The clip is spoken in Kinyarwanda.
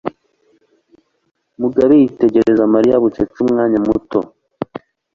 Mugabo yitegereza Mariya bucece umwanya muto.